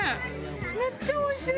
めっちゃおいしい！